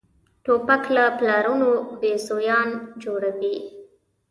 توپک له پلارونو بېزویان جوړوي.